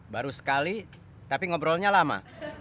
baru sekali tapi ngobrolnya lama